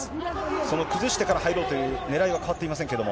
その崩してから入ろうというねらいは変わっていませんけれども。